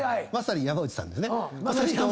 まさに山内さんですね。